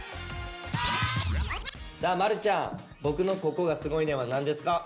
さあ丸ちゃん「僕のココがすごいねん！」は何ですか？